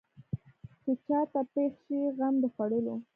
چې چا ته پېښ شي غم د خوړلو.